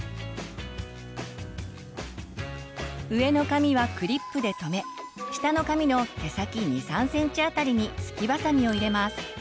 上の髪はクリップで止め下の髪の毛先２３ｃｍ辺りにスキバサミを入れます。